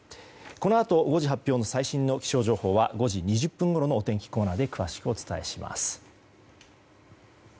このあと５時発表の最新の気象情報は５時２０分ごろのお天気コーナーでお伝えします。